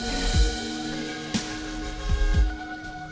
yang bisa mencari teman teman yang bisa menolong